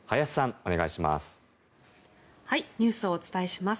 お願いします。